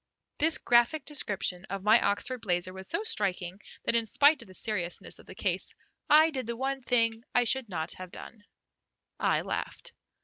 This graphic description of my Oxford blazer was so striking that in spite of the seriousness of the case I did the one thing I should not have done, I laughed.